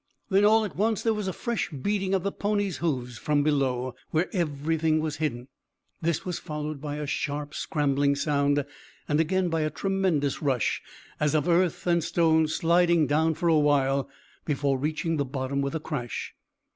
Then all at once there was a fresh beating of the pony's hoofs from below, where everything was hidden. This was followed by a sharp scrambling sound, and again by a tremendous rush as of earth and stones sliding down for awhile before reaching the bottom with a crash.